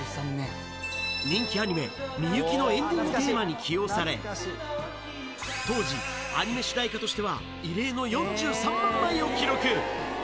人気アニメ、みゆきのエンディングテーマに起用され、当時、アニメ主題歌としては異例の４３万枚を記録。